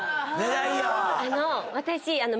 あの私。